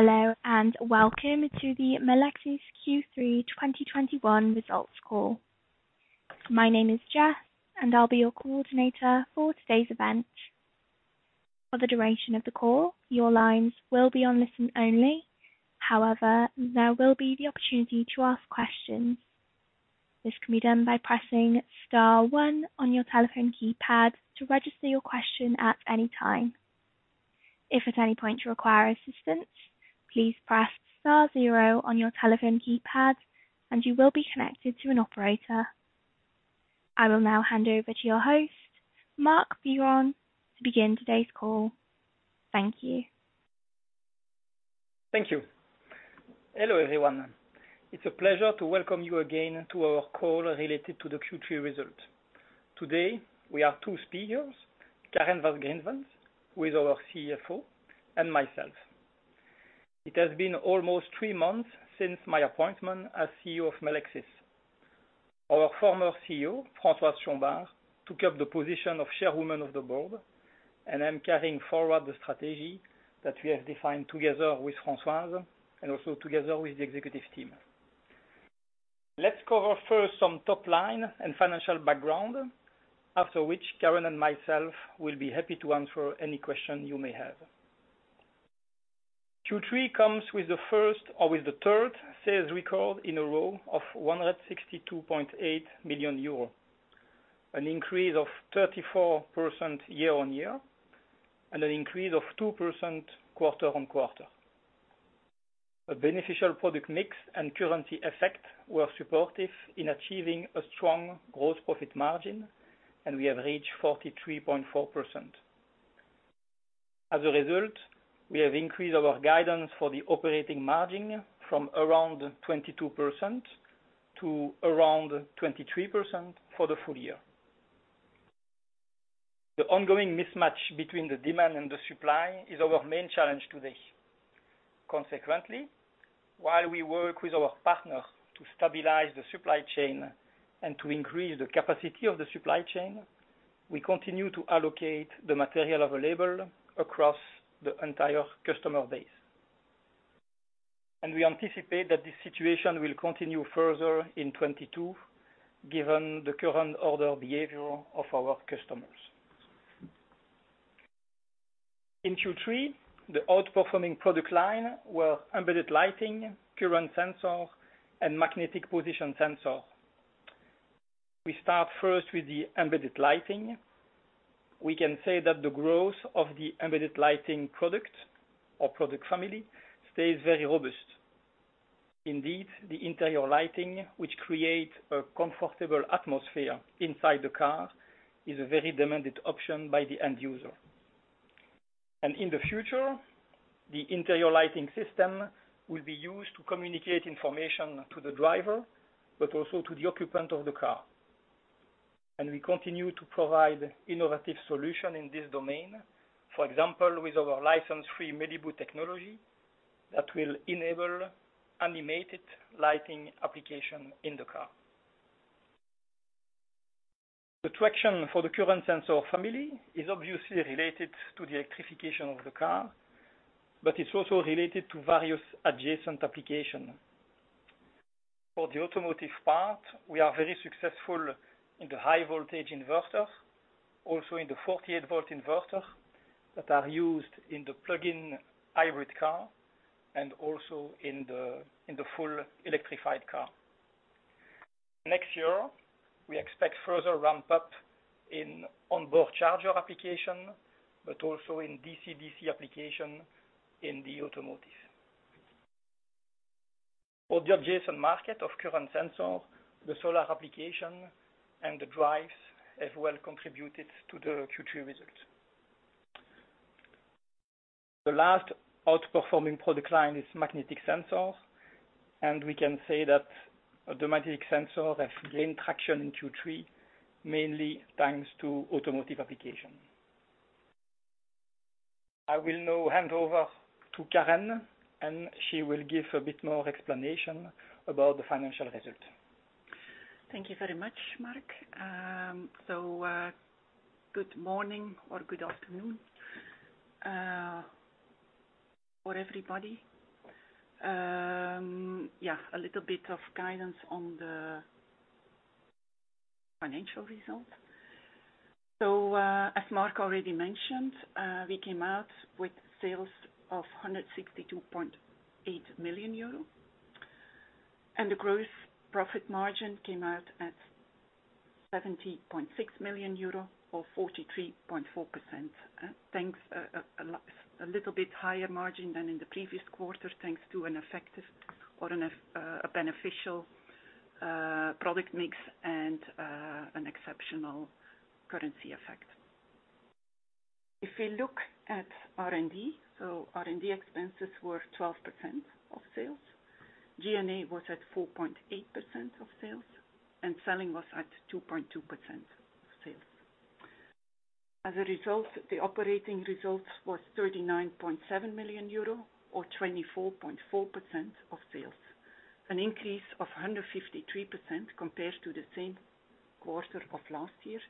Hello, and welcome to the Melexis Q3 2021 results call. My name is Jess and I'll be your coordinator for today's event. For the duration of the call, your lines will be on listen only. However, there will be the opportunity to ask questions. This can be done by pressing star one on your telephone keypad to register your question at any time. If at any point you require assistance, please press star zero on your telephone keypad and you will be connected to an operator. I will now hand over to your host, Marc Biron, to begin today's call. Thank you. Thank you. Hello, everyone. It's a pleasure to welcome you again to our call related to the Q3 result. Today we are two speakers, Karen Van Griensven, who is our Chief Financial Officer, and myself. It has been almost three months since my appointment as Chief Executive Officer of Melexis. Our former Chief Executive Officer, Françoise Chombar, took up the position of Chairwoman of the Board, and I'm carrying forward the strategy that we have defined together with Françoise and also together with the executive team. Let's cover first some top line and financial background, after which Karen and myself will be happy to answer any question you may have. Q3 comes with the first or with the third sales record in a row of 162.8 million euros, an increase of 34% year-on-year, and an increase of 2% quarter-on-quarter. A beneficial product mix and currency effect were supportive in achieving a strong growth profit margin, and we have reached 43.4%. As a result, we have increased our guidance for the operating margin from around 22% to around 23% for the full year. The ongoing mismatch between the demand and the supply is our main challenge today. Consequently, while we work with our partner to stabilize the supply chain and to increase the capacity of the supply chain, we continue to allocate the material available across the entire customer base. We anticipate that this situation will continue further in 2022, given the current order behavior of our customers. In Q3, the outperforming product line were Embedded Lighting, Current Sensor and Magnetic Position Sensor. We start first with the Embedded Lighting. We can say that the growth of the Embedded Lighting product or product family stays very robust. Indeed, the interior lighting, which creates a comfortable atmosphere inside the car, is a very demanded option by the end user. In the future, the interior lighting system will be used to communicate information to the driver, but also to the occupant of the car. We continue to provide innovative solution in this domain. For example, with our license-free MeLiBu technology that will enable animated lighting application in the car. The traction for the current sensor family is obviously related to the electrification of the car, but it's also related to various adjacent application. For the automotive part, we are very successful in the high voltage inverter, also in the 48V inverter that are used in the plug-in hybrid car and also in the full electrified car. Next year we expect further ramp up in onboard charger application, but also in DCDC application in the automotive. For the adjacent market of current sensor, the solar application and the drives as well contributed to the Q3 results. The last outperforming product line is magnetic sensors. We can say that the magnetic sensor has gained traction in Q3, mainly thanks to automotive application. I will now hand over to Karen, and she will give a bit more explanation about the financial result. Thank you very much, Marc. Good morning or good afternoon for everybody. Yeah, a little bit of guidance on the financial result. As Marc already mentioned, we came out with sales of 162.8 million euro, and the gross profit margin came out at 70.6 million euro or 43.4%. A little bit higher margin than in the previous quarter, thanks to an effective or a beneficial product mix and an exceptional currency effect. If we look at R&D. R&D expenses were 12% of sales. G&A was at 4.8% of sales, and selling was at 2.2% of sales. As a result, the operating results was 39.7 million euro or 24.4% of sales. An increase of 153% compared to the same quarter of last year,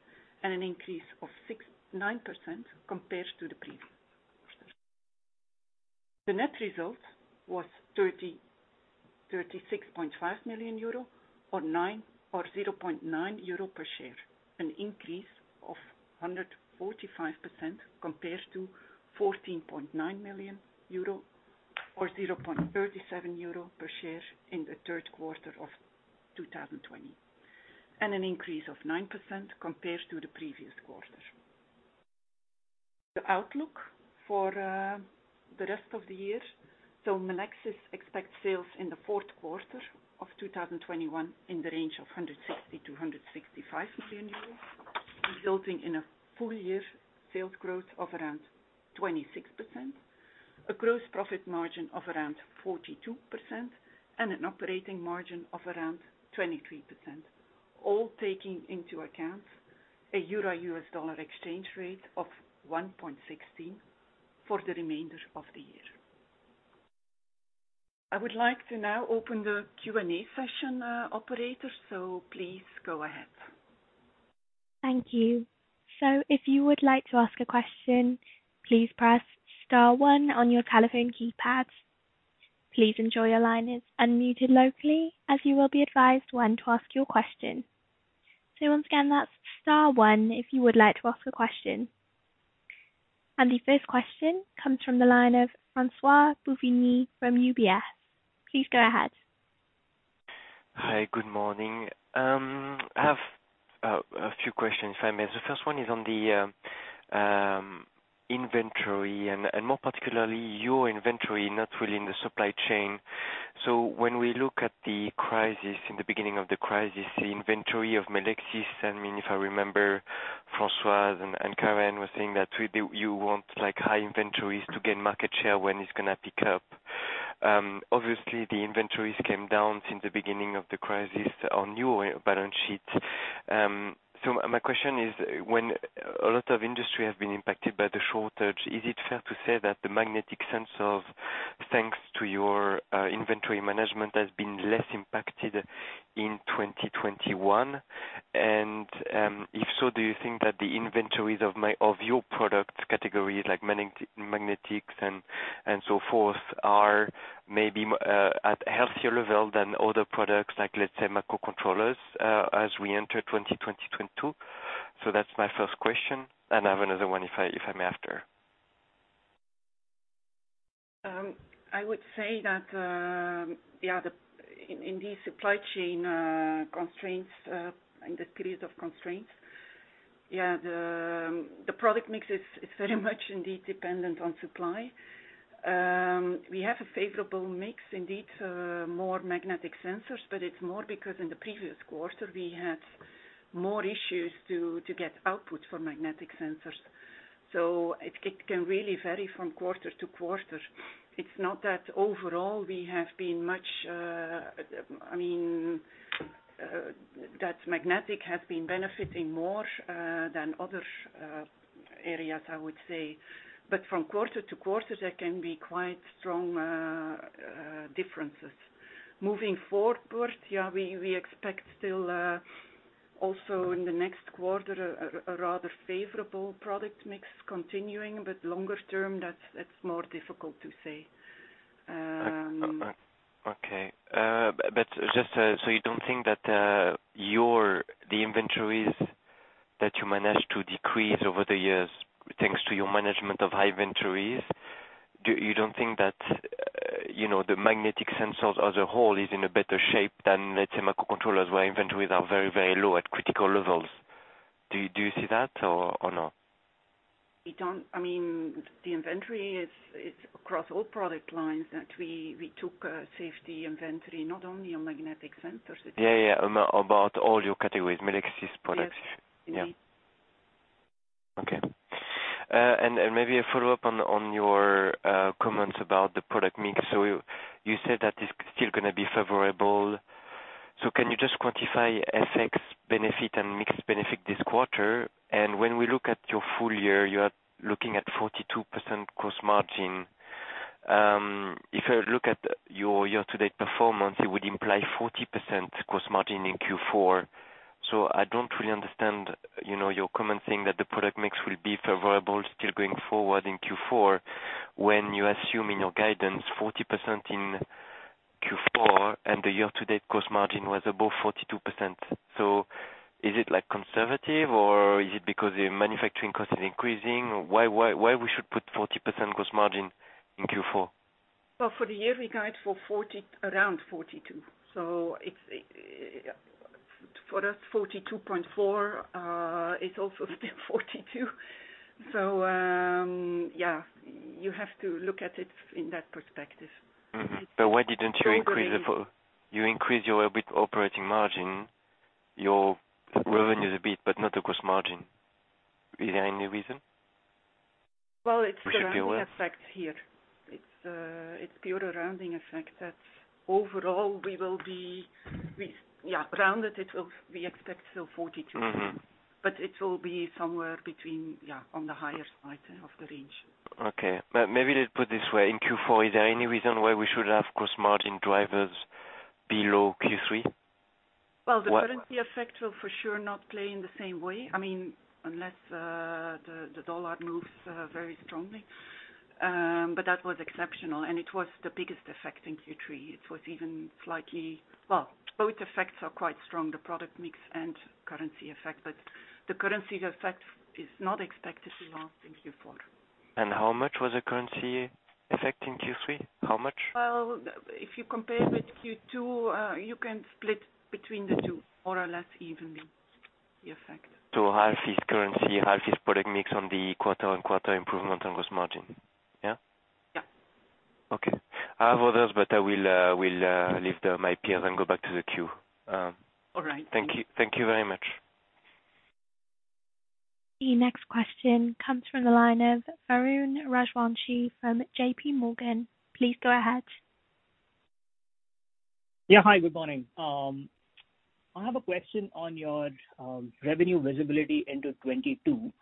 and an increase of 69% compared to the previous quarter. The net result was 36.5 million euro or 0.9 euro per share, an increase of 145% compared to 14.9 million euro or 0.37 euro per share in the third quarter of 2020, and an increase of 9% compared to the previous quarter. The outlook for the rest of the year. Melexis expects sales in the fourth quarter of 2021 in the range of 160 million-165 million euros, resulting in a full year sales growth of around 26%, a gross profit margin of around 42%, and an operating margin of around 23%, all taking into account a euro-US dollar exchange rate of 1.16 for the remainder of the year. I would like to now open the Q&A session, operator, so please go ahead. Thank you. If you would like to ask a question, please press star one on your telephone keypads. Please ensure your line is unmuted locally, as you will be advised when to ask your question. Once again, that's star one if you would like to ask a question. The first question comes from the line of François-Xavier Bouvignies from UBS. Please go ahead. Hi, good morning. I have a few questions if I may. The first one is on the inventory and more particularly your inventory, not really in the supply chain. When we look at the crisis, in the beginning of the crisis, the inventory of Melexis, I mean, if I remember Françoise and Karen were saying that you want like high inventories to gain market share when it's gonna pick up. Obviously the inventories came down since the beginning of the crisis on your balance sheet. My question is, when a lot of industry have been impacted by the shortage, is it fair to say that the magnetic sensors thanks to your inventory management has been less impacted in 2021? If so, do you think that the inventories of your product categories like magnetics and so forth are maybe at healthier level than other products like let's say microcontrollers, as we enter 2022? That's my first question, and I have another one if I may after. I would say that in these supply chain constraints in this period of constraints the product mix is very much indeed dependent on supply. We have a favorable mix, indeed, more magnetic sensors, but it's more because in the previous quarter we had more issues to get output for magnetic sensors. It can really vary from It's not that overall, I mean, that magnetic has been benefiting more than other areas I would say. From quarter-to-quarter, there can be quite strong differences. Moving forward, we expect still also in the next quarter a rather favorable product mix continuing, but longer term, that's more difficult to say. Okay. Just you don't think that your the inventories that you managed to decrease over the years, thanks to your management of high inventories, you don't think that, you know, the magnetic sensors as a whole is in a better shape than let's say microcontrollers where inventories are very, very low at critical levels? Do you see that or no? I mean, the inventory is across all product lines that we took safety inventory, not only on magnetic sensors. It's Yeah, yeah. About all your categories, Melexis products. Yes, indeed. Yeah. Okay. Maybe a follow-up on your comments about the product mix. You said that it's still gonna be favorable. Can you just quantify FX benefit and mix benefit this quarter? When we look at your full year, you are looking at 42% gross margin. If I look at your year-to-date performance, it would imply 40% gross margin in Q4. I don't really understand, you know, your comment saying that the product mix will be favorable still going forward in Q4 when you assume in your guidance 40% in Q4 and the year-to-date gross margin was above 42%. Is it like conservative or is it because the manufacturing cost is increasing? Why we should put 40% gross margin in Q4? Well, for the year we guide for around 42%. It's for us 42.4% is also still 42%. Yeah, you have to look at it in that perspective. Why didn't you increase the full? Overall- You increased your EBIT operating margin, your revenues a bit, but not the gross margin. Is there any reason? Well, it's the We should be aware. Rounding effects here. It's pure rounding effect that overall we will be. We expect still 42%. Mm-hmm. It will be somewhere between, yeah, on the higher side of the range. Okay. Maybe let's put it this way, in Q4, is there any reason why we should have gross margin drivers below Q3? Well, the currency effect will for sure not play in the same way. I mean, unless the dollar moves very strongly. That was exceptional, and it was the biggest effect in Q3. Well, both effects are quite strong, the product mix and currency effect. The currency effect is not expected to last in Q4. How much was the currency effect in Q3? How much? Well, if you compare with Q2, you can split between the two more or less evenly, the effect. Half is currency, half is product mix in the quarter-over-quarter improvement in gross margin. Yeah? Yeah. Okay. I have others, but I will leave my peers and go back to the queue. All right. Thank you. Thank you very much. The next question comes from the line of Varun Rajwanshi from JPMorgan. Please go ahead. Yeah. Hi, good morning. I have a question on your revenue visibility into 2022.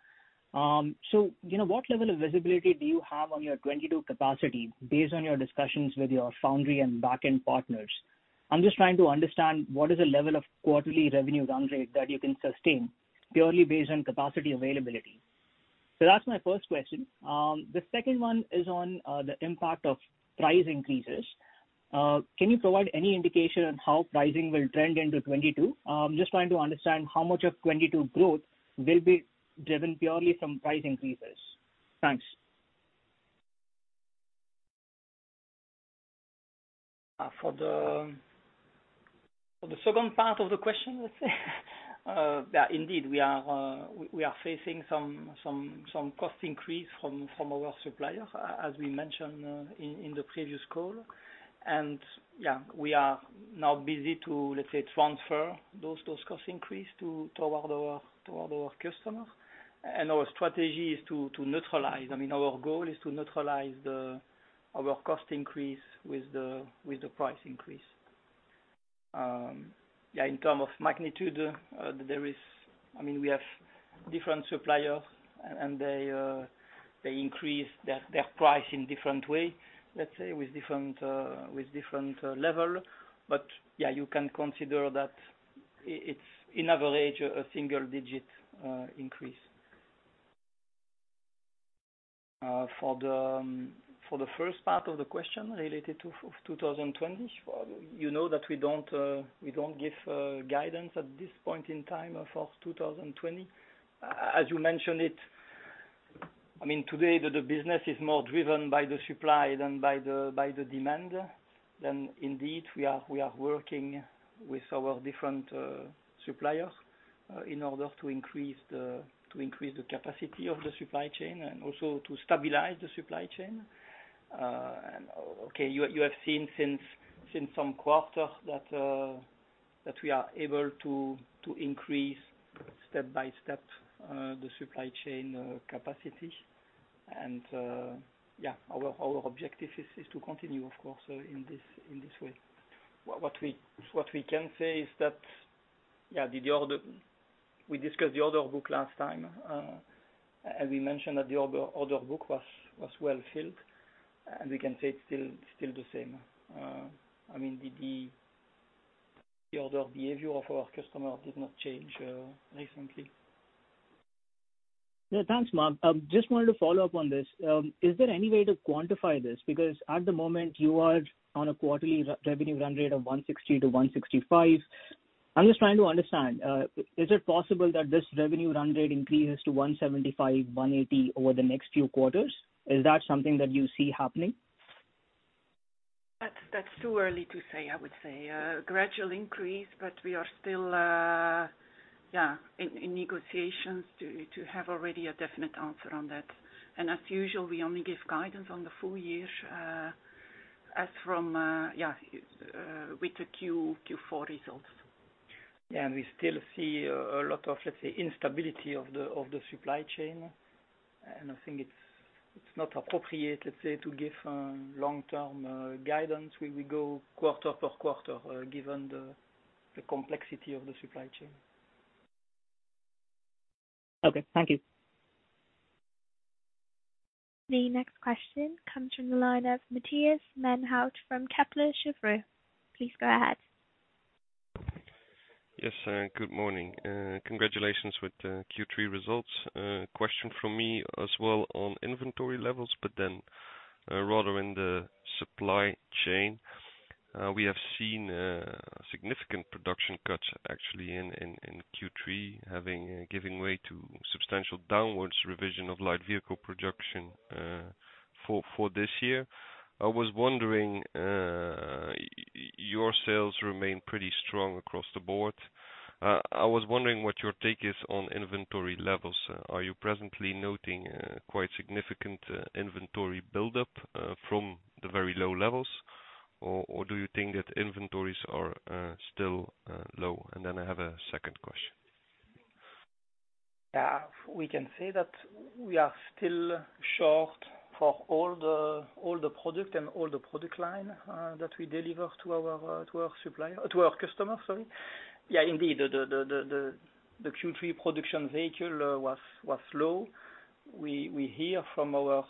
You know, what level of visibility do you have on your 2022 capacity based on your discussions with your foundry and back-end partners? I'm just trying to understand what is the level of quarterly revenue run rate that you can sustain purely based on capacity availability. That's my first question. The second one is on the impact of price increases. Can you provide any indication on how pricing will trend into 2022? I'm just trying to understand how much of 2022 growth will be driven purely from price increases. Thanks. For the second part of the question, let's say, yeah, indeed, we are facing some cost increase from our supplier, as we mentioned in the previous call. Yeah, we are now busy to, let's say, transfer those cost increase toward our customers. Our strategy is to neutralize our cost increase with the price increase. I mean, our goal is to neutralize our cost increase with the price increase. Yeah, in terms of magnitude, I mean, we have different suppliers and they increase their price in different ways, let's say, with different levels. Yeah, you can consider that it's on average a single-digit increase. For the first part of the question related to future 2020, you know that we don't give guidance at this point in time for 2020. As you mentioned it, I mean, today the business is more driven by the supply than by the demand. Indeed we are working with our different suppliers in order to increase the capacity of the supply chain and also to stabilize the supply chain. You have seen since some quarter that we are able to increase step-by-step the supply chain capacity. Yeah, our objective is to continue of course in this way. What we can say is that, yeah, the order. We discussed the order book last time, as we mentioned that the order book was well filled, and we can say it's still the same. I mean, the order behavior of our customer did not change recently. Yeah. Thanks, Marc. Just wanted to follow up on this. Is there any way to quantify this? Because at the moment you are on a quarterly revenue run rate of 160 million-165 million. I'm just trying to understand, is it possible that this revenue run rate increases to 175 million, 180 million over the next few quarters? Is that something that you see happening? That's too early to say, I would say. A gradual increase, but we are still in negotiations to have already a definite answer on that. As usual, we only give guidance on the full year, as from with the Q4 results. Yeah. We still see a lot of, let's say, instability of the supply chain. I think it's not appropriate, let's say, to give long-term guidance. We will go quarter per quarter, given the complexity of the supply chain. Okay. Thank you. The next question comes from the line of Matthias Maenhaut from Kepler Cheuvreux. Please go ahead. Yes, good morning. Congratulations with the Q3 results. Question from me as well on inventory levels, but then rather in the supply chain. We have seen significant production cuts actually in Q3 having given way to substantial downward revision of light vehicle production for this year. I was wondering your sales remain pretty strong across the board. I was wondering what your take is on inventory levels. Are you presently noting quite significant inventory buildup from the very low levels? Or do you think that inventories are still low? And then I have a second question. We can say that we are still short for all the product and product line that we deliver to our supplier, to our customers, sorry. Indeed. The Q3 production volume was low. We hear from our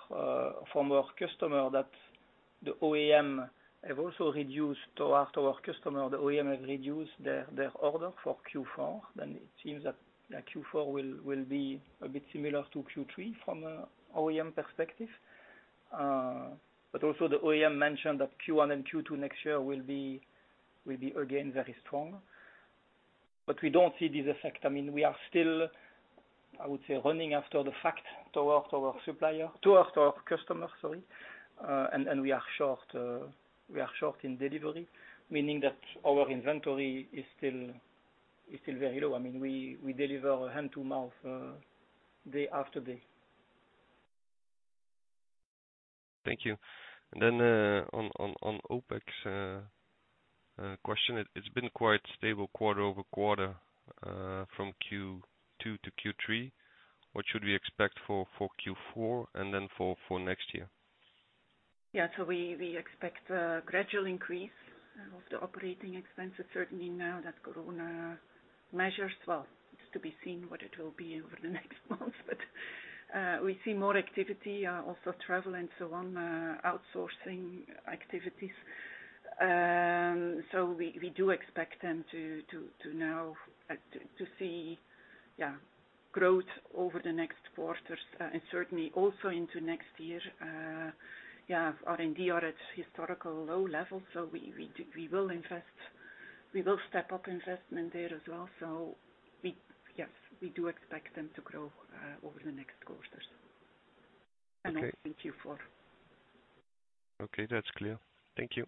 customer that the OEM have also reduced to our customer. The OEM have reduced their order for Q4. Then it seems that Q4 will be a bit similar to Q3 from OEM perspective. The OEM mentioned that Q1 and Q2 next year will be again very strong. We don't see this effect. I mean, we are still, I would say, running after the fact towards our supplier, towards our customer, sorry. We are short in delivery, meaning that our inventory is still very low. I mean, we deliver hand to mouth, day after day. Thank you. On OpEx question. It's been quite stable quarter-over-quarter from Q2 to Q3. What should we expect for Q4 and then for next year? We expect a gradual increase of the operating expenses, certainly now that Corona measures. It's to be seen what it will be over the next months. We see more activity, also travel and so on, outsourcing activities. We do expect them to see growth over the next quarters, and certainly also into next year. R&D are at historical low levels, so we will invest, we will step up investment there as well. We do expect them to grow over the next quarters. Okay. In Q4. Okay. That's clear. Thank you.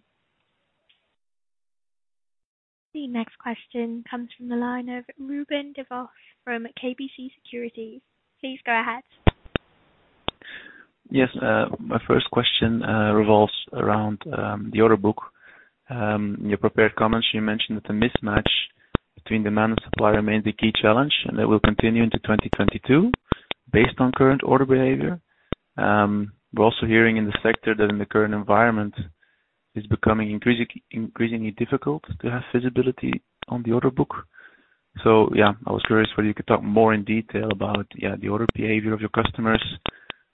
The next question comes from the line of Ruben Devos from KBC Securities. Please go ahead. Yes. My first question revolves around the order book. In your prepared comments you mentioned that the mismatch between demand and supply remains the key challenge and that will continue into 2022 based on current order behavior. We're also hearing in the sector that in the current environment it's becoming increasingly difficult to have visibility on the order book. Yeah, I was curious whether you could talk more in detail about, yeah, the order behavior of your customers,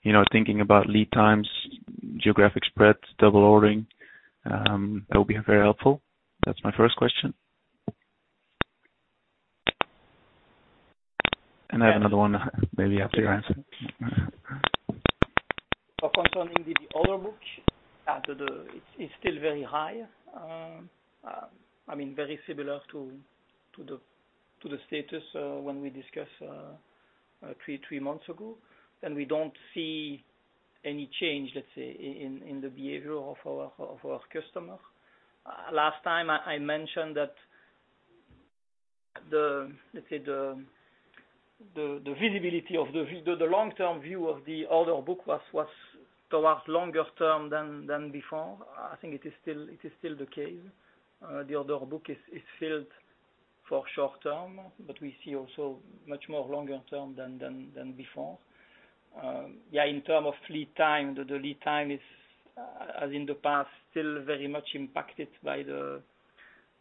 you know, thinking about lead times, geographic spread, double ordering, that would be very helpful. That's my first question. I have another one maybe after your answer. Concerning the order book, it's still very high. I mean very similar to the status when we discuss three months ago, and we don't see any change, let's say, in the behavior of our customer. Last time I mentioned that let's say the visibility of the long-term view of the order book was towards longer term than before. I think it is still the case. The order book is filled for short-term, but we see also much more longer term than before. Yeah, in terms of lead time, the lead time is, as in the past, still very much impacted by the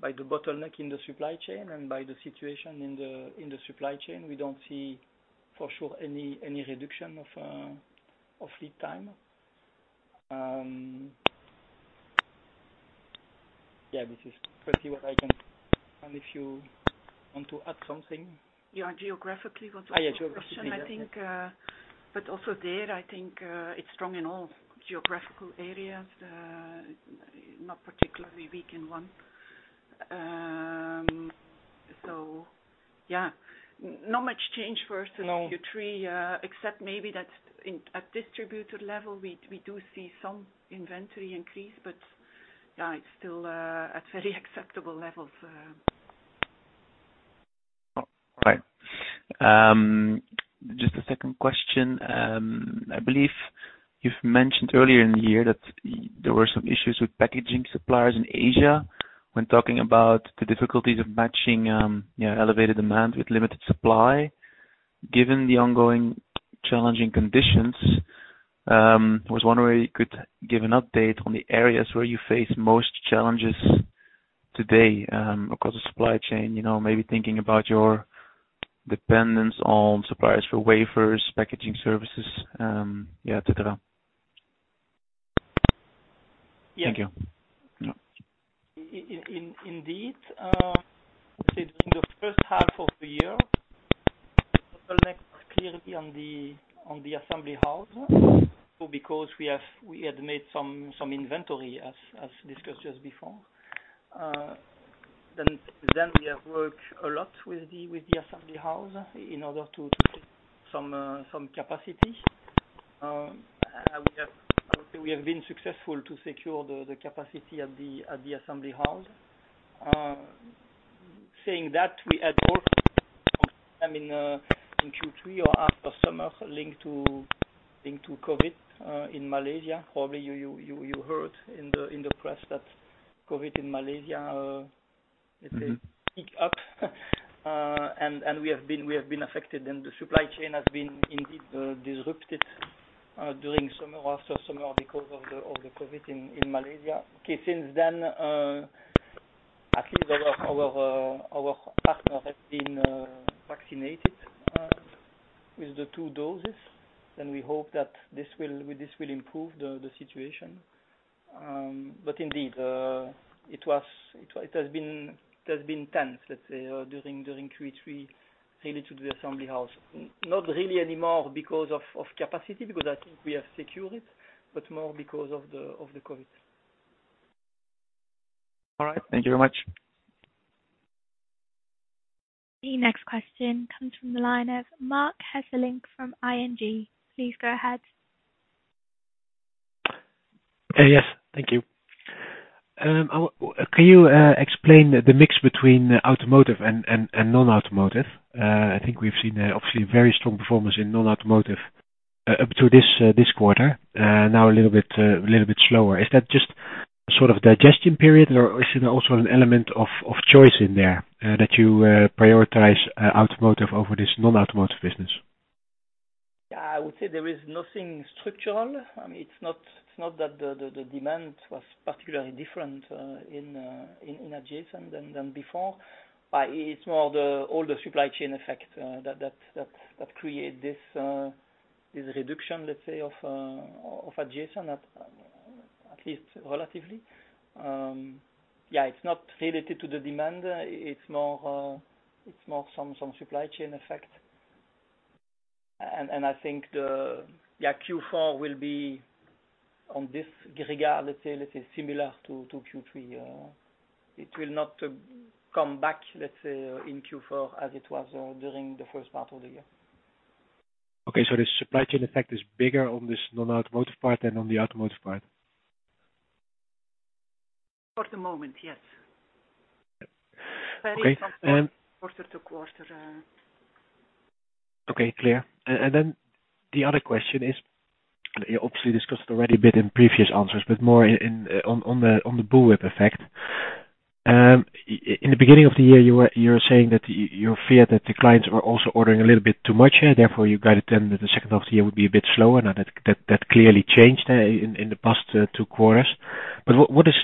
bottleneck in the supply chain and by the situation in the supply chain. We don't see for sure any reduction of lead time. Yeah, this is firstly what I can. If you want to add something. Yeah, geographically was also your question. Yeah. Geographically, yeah. I think, but also there, I think, it's strong in all geographical areas, not particularly weak in one. Yeah, not much change versus- No. Q3, except maybe that in the distributor level we do see some inventory increase, but yeah, it's still at very acceptable levels. All right. Just a second question. I believe you've mentioned earlier in the year that there were some issues with packaging suppliers in Asia when talking about the difficulties of matching, you know, elevated demand with limited supply. Given the ongoing challenging conditions, I was wondering whether you could give an update on the areas where you face most challenges today, across the supply chain, you know, maybe thinking about your dependence on suppliers for wafers, packaging services, yeah, et cetera. Yeah. Thank you. Yeah. Indeed, let's say during the first half of the year, bottleneck was clearly on the assembly house, so because we had made some inventory as discussed just before. We have worked a lot with the assembly house in order to get some capacity. We have been successful to secure the capacity at the assembly house. Saying that, we had also in Q3 or after summer linked to COVID in Malaysia. Probably you heard in the press that COVID in Malaysia, let's say- Mm-hmm. We have been affected and the supply chain has been indeed disrupted during summer, after summer because of the COVID in Malaysia. Okay. Since then, at least our partners have been vaccinated with the two doses, and we hope that this will improve the situation. But indeed, it has been tense, let's say, during Q3, really to the assembly house. Not really anymore because of capacity, because I think we have secured it, but more because of the COVID. All right. Thank you very much. The next question comes from the line of Marc Hesselink from ING. Please go ahead. Yes. Thank you. Can you explain the mix between automotive and non-automotive? I think we've seen an obviously very strong performance in non-automotive up to this quarter, now a little bit slower. Is that just sort of digestion period, or is it also an element of choice in there that you prioritize automotive over this non-automotive business? Yeah. I would say there is nothing structural. I mean, it's not that the demand was particularly different in Asia than before. It's more the overall supply chain effect that create this reduction, let's say, of Asia at least relatively. Yeah, it's not related to the demand. It's more some supply chain effect. I think Q4 will be in this regard, let's say, similar to Q3. It will not come back, let's say, in Q4 as it was during the first part of the year. Okay. The supply chain effect is bigger on this non-automotive part than on the automotive part? For the moment, yes. Okay. Varies from quarter-to-quarter. Okay, clear. The other question is, you obviously discussed already a bit in previous answers, but more in on the bullwhip effect. In the beginning of the year, you were saying that you fear that the clients were also ordering a little bit too much, therefore you guided them that the second half of the year would be a bit slower. Now that clearly changed in the past two quarters. What is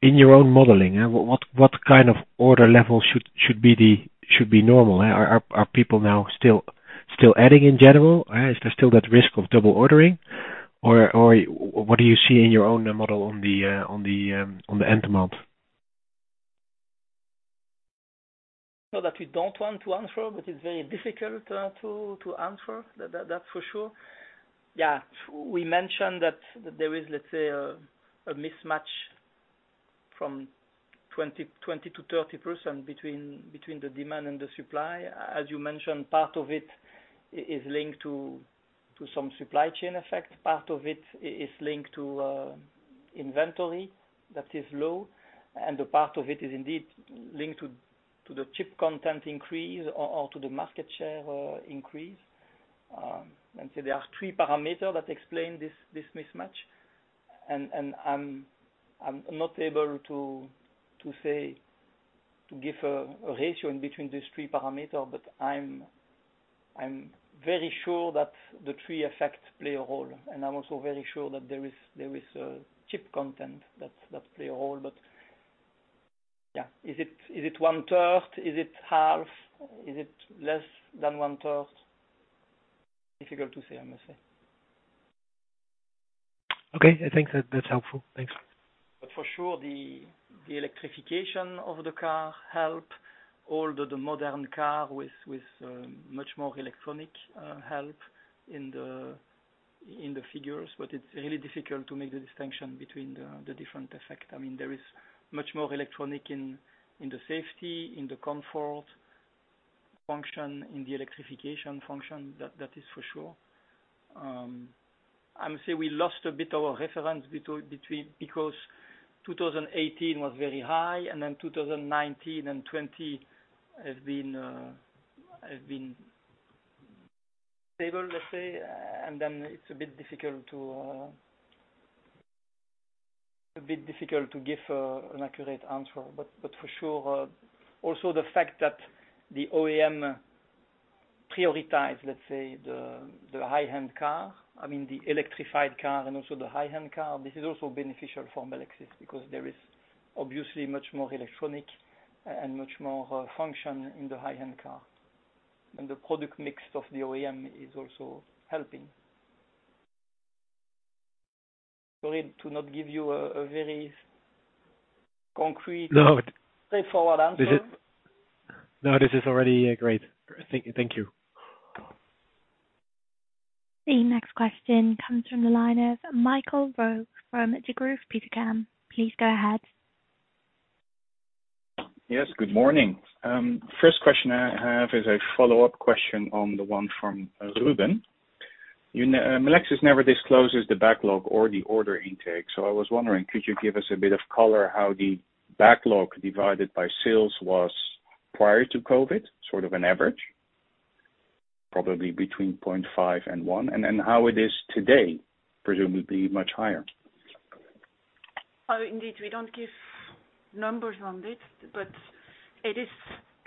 in your own modeling, what kind of order level should be normal? Are people now still adding in general? Is there still that risk of double ordering? What do you see in your own model on the end demand? It's not that we don't want to answer, but it's very difficult to answer. That's for sure. Yeah. We mentioned that there is, let's say, a mismatch from 20%-30% between the demand and the supply. As you mentioned, part of it is linked to some supply chain effect. Part of it is linked to inventory that is low, and the part of it is indeed linked to the chip content increase or to the market share increase. Let's say there are three parameter that explain this mismatch. I'm not able to say to give a ratio in between these three parameter, but I'm very sure that the three effect play a role. I'm also very sure that there is a chip content that play a role. Yeah. Is it 1/3? Is it half? Is it less than 1/3? Difficult to say, I must say. Okay. I think that that's helpful. Thanks. For sure, the electrification of the car helps all the modern cars with much more electronics help in the figures, but it's really difficult to make the distinction between the different effects. I mean, there is much more electronics in the safety, in the comfort function, in the electrification function, that is for sure. I would say we lost a bit of our reference between. Because 2018 was very high, and then 2019 and 2020 has been stable, let's say. It's a bit difficult to give an accurate answer. For sure, also the fact that the OEM prioritize, let's say, the high-end car, I mean, the electrified car and also the high-end car, this is also beneficial for Melexis because there is obviously much more electronic and much more function in the high-end car. The product mix of the OEM is also helping. Sorry to not give you a very concrete- No. Straightforward answer. No, this is already, great. Thank you, thank you. The next question comes from the line of Michael Roeg from Degroof Petercam. Please go ahead. Yes, good morning. First question I have is a follow-up question on the one from Ruben. Melexis never discloses the backlog or the order intake, so I was wondering, could you give us a bit of color how the backlog divided by sales was prior to COVID, sort of an average? Probably between 0.5 and 1, and then how it is today, presumably much higher. Oh, indeed, we don't give numbers on this, but it is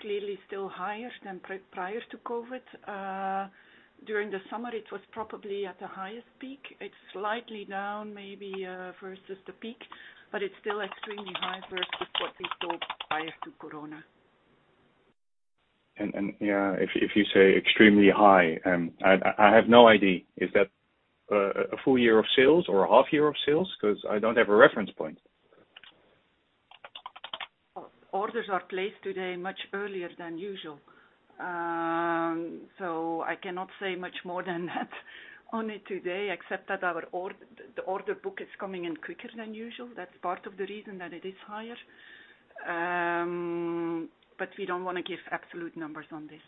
clearly still higher than prior to COVID. During the summer, it was probably at the highest peak. It's slightly down, maybe, versus the peak, but it's still extremely high versus what we saw prior to Corona. Yeah, if you say extremely high, I have no idea. Is that a full year of sales or a half year of sales? 'Cause I don't have a reference point. Orders are placed today much earlier than usual. I cannot say much more than that on it today, except that the order book is coming in quicker than usual. That's part of the reason that it is higher. We don't wanna give absolute numbers on this.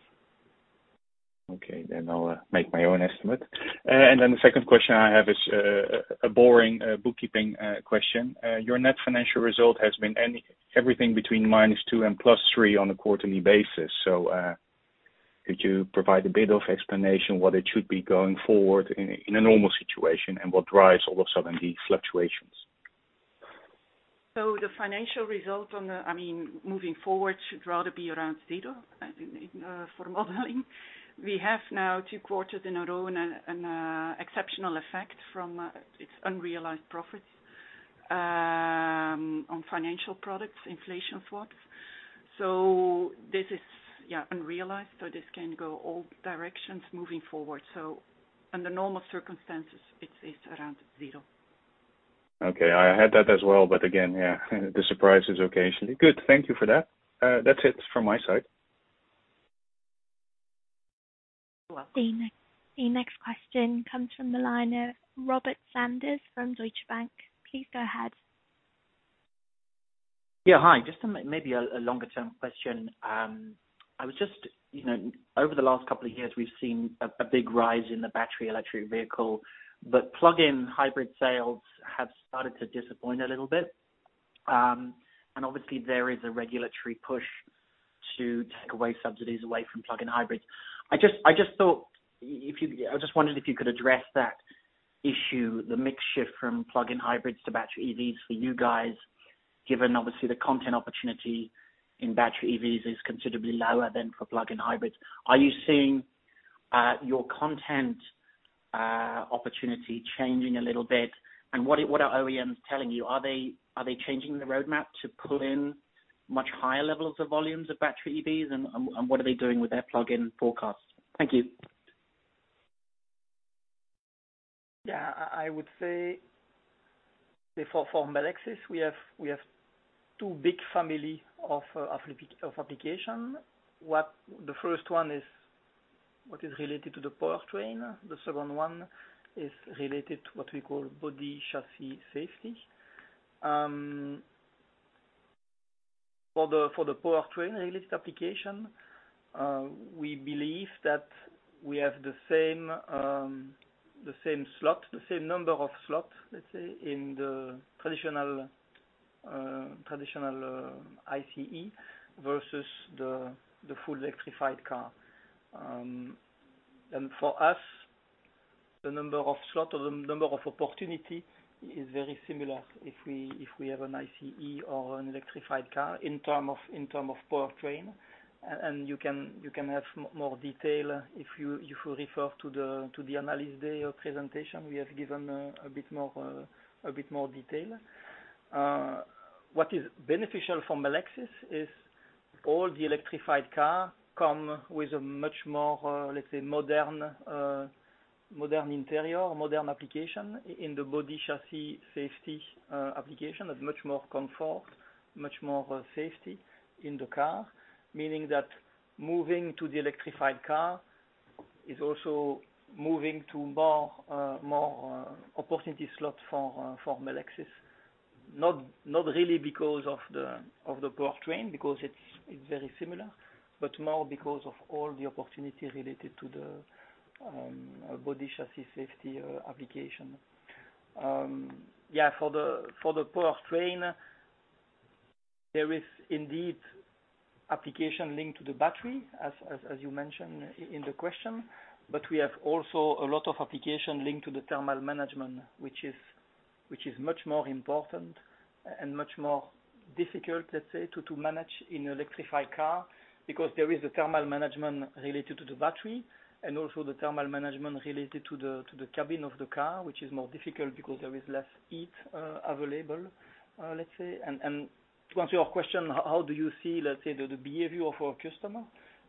Okay. I'll make my own estimate. The second question I have is a boring bookkeeping question. Your net financial result has been anything between -2 and +3 on a quarterly basis. Could you provide a bit of explanation what it should be going forward in a normal situation, and what drives all of a sudden the fluctuations? The financial result, I mean, moving forward should rather be around zero, I think, for modeling. We have now two quarters in a row and exceptional effect from its unrealized profits on financial products, inflation swaps. This is, yeah, unrealized, so this can go all directions moving forward. Under normal circumstances, it's around zero. Okay. I had that as well, but again, yeah, the surprise is occasionally. Good. Thank you for that. That's it from my side. You're welcome. The next question comes from the line of Robert Sanders from Deutsche Bank. Please go ahead. Yeah, hi. Just maybe a longer-term question. I was just, you know, over the last couple of years, we've seen a big rise in the battery electric vehicle, but plug-in hybrid sales have started to disappoint a little bit. Obviously, there is a regulatory push to take away subsidies from plug-in hybrids. I just wondered if you could address that issue, the mix shift from plug-in hybrids to battery EVs for you guys, given obviously the content opportunity in battery EVs is considerably lower than for plug-in hybrids. Are you seeing your content opportunity changing a little bit? What are OEMs telling you? Are they changing the roadmap to pull in much higher levels of volumes of battery EVs, and what are they doing with their plug-in forecasts? Thank you. I would say for Melexis, we have two big family of application. The first one is what is related to the powertrain. The second one is related to what we call body chassis safety. For the powertrain-related application, we believe that we have the same slot, the same number of slot, let's say, in the traditional ICE versus the full electrified car. For us, the number of slot or the number of opportunity is very similar if we have an ICE or an electrified car in term of powertrain. You can have more detail if you refer to the Analyst Day presentation. We have given a bit more detail. What is beneficial for Melexis is all the electrified car come with a much more, let's say modern interior, modern application in the body chassis safety application. There's much more comfort, much more safety in the car, meaning that moving to the electrified car is also moving to more opportunity slot for Melexis. Not really because of the powertrain, because it's very similar, but more because of all the opportunity related to the body chassis safety application. For the powertrain, there is indeed application linked to the battery as you mentioned in the question, but we have also a lot of application linked to the thermal management, which is much more important and much more difficult, let's say, to manage in electrified car because there is a thermal management related to the battery and also the thermal management related to the cabin of the car, which is more difficult because there is less heat available, let's say. To answer your question, how do you see, let's say, the behavior of our customer?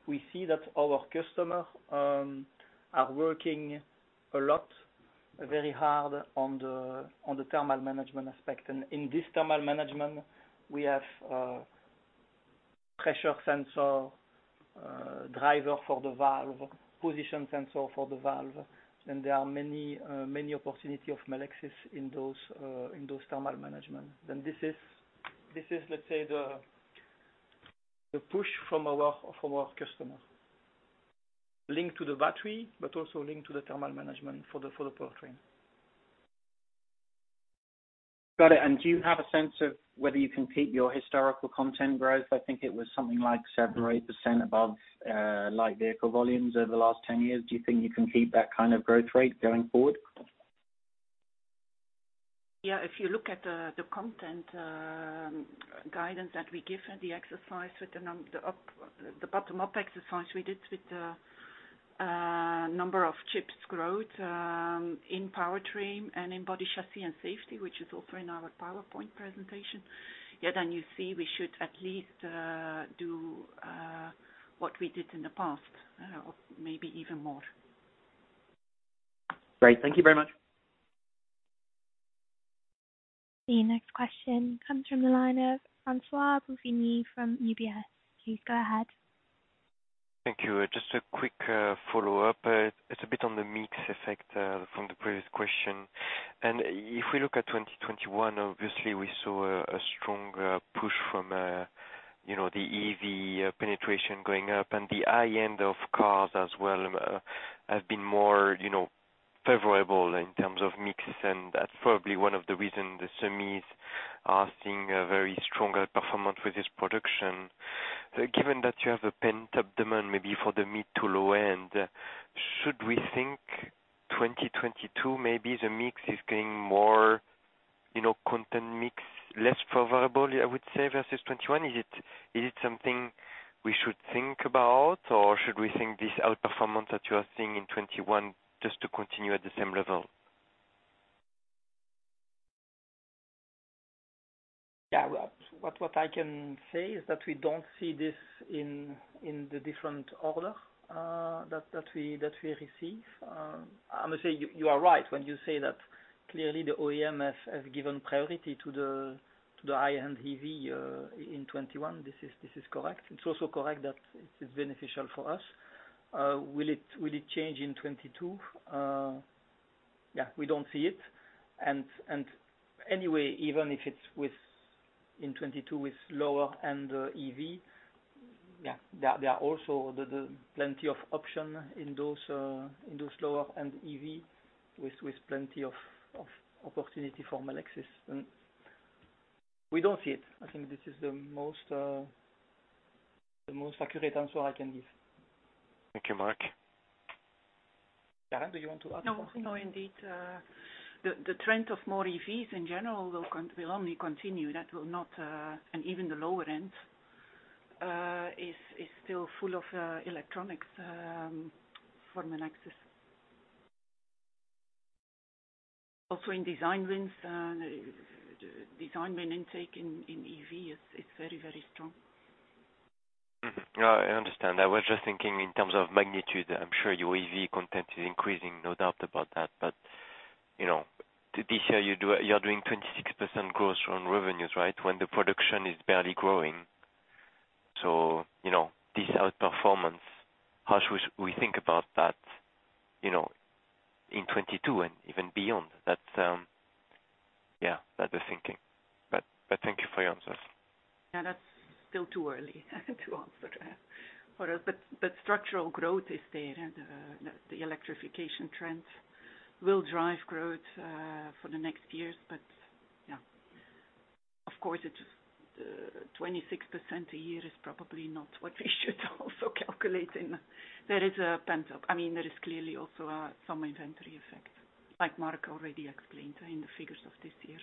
We see that our customer are working a lot, very hard on the thermal management aspect. In this thermal management, we have pressure sensor driver for the valve, position sensor for the valve, and there are many opportunity of Melexis in those thermal management. This is, let's say, the push from our customer linked to the battery but also linked to the thermal management for the powertrain. Got it. Do you have a sense of whether you can keep your historical content growth? I think it was something like 7% or 8% above light vehicle volumes over the last 10 years. Do you think you can keep that kind of growth rate going forward? Yeah, if you look at the content guidance that we give and the bottom-up exercise we did with the number of chips growth in powertrain and in body, chassis and safety, which is also in our PowerPoint presentation. Yeah, then you see we should at least do what we did in the past or maybe even more. Great. Thank you very much. The next question comes from the line of François-Xavier Bouvignies from UBS. Please go ahead. Thank you. Just a quick follow-up. It's a bit on the mix effect from the previous question. If we look at 2021, obviously we saw a strong push from, you know, the EV penetration going up and the high-end of cars as well have been more, you know, favorable in terms of mix. That's probably one of the reasons the semis are seeing a very stronger performance with this production. Given that you have a pent-up demand, maybe for the mid to low end, should we think 2022, maybe the mix is getting more, you know, content mix less favorable, I would say, versus 2021? Is it something we should think about, or should we think this outperformance that you are seeing in 2021 just to continue at the same level? What I can say is that we don't see this in the different order that we receive. I must say you are right when you say that clearly the OEM have given priority to the high-end EV in 2021. This is correct. It's also correct that it is beneficial for us. Will it change in 2022? We don't see it. Anyway, even if it's in 2022 with lower-end EV, there are also the plenty of option in those lower-end EV with plenty of opportunity for Melexis. We don't see it. I think this is the most accurate answer I can give. Thank you, Marc. Karen, do you want to add something? No. No, indeed. The trend of more EVs in general will only continue. That will not. Even the lower end is still full of electronics for Melexis. Also in design wins, design win intake in EV is very strong. Mm-hmm. No, I understand. I was just thinking in terms of magnitude. I'm sure your EV content is increasing, no doubt about that. But you know, this year you're doing 26% growth on revenues, right? When the production is barely growing. You know, this outperformance, how should we think about that, you know, in 2022 and even beyond that? Yeah, that's the thinking. But thank you for your answers. Yeah, that's still too early to answer. Structural growth is there, the electrification trend will drive growth for the next years. Yeah, of course, it's 26% a year is probably not what we should also calculate in. I mean, there is clearly also some inventory effect, like Marc already explained in the figures of this year.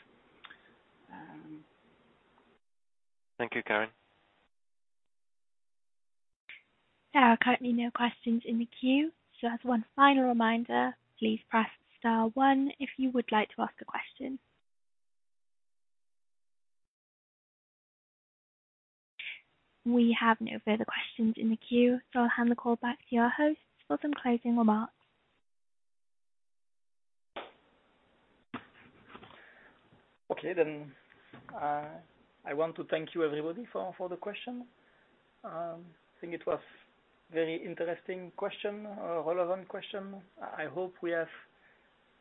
Thank you, Karen. There are currently no questions in the queue. Just one final reminder, please press star one if you would like to ask a question. We have no further questions in the queue, so I'll hand the call back to your host for some closing remarks. Okay then, I want to thank you everybody for the question. I think it was very interesting question, a relevant question. I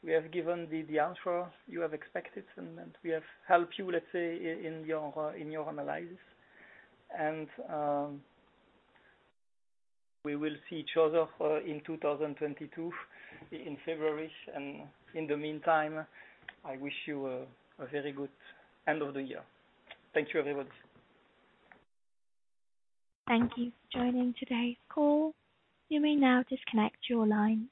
hope we have given the answer you have expected and that we have helped you, let's say, in your analysis. We will see each other in 2022 in February. In the meantime, I wish you a very good end of the year. Thank you, everyone. Thank you for joining today's call. You may now disconnect your line.